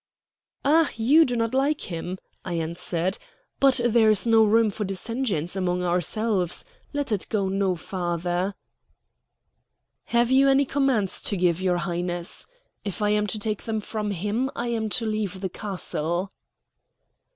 "Ah, you do not like him," I answered. "But there is no room for dissensions among ourselves. Let it go no farther." "Have you any commands to give, your Highness? If I am to take them from him, I am to leave the castle."